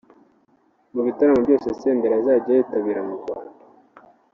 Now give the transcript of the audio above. Mu bitaramo byose Senderi azajya yitabira mu Rwanda